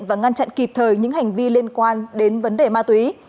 và ngăn chặn kịp thời những hành vi liên quan đến vấn đề ma túy